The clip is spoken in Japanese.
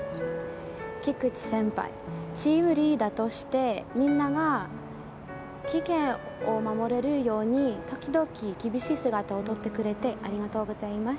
菊地先輩、チームリーダーとしてみんなが期限を守れるように時々、厳しい姿をとってくれてありがとうございます。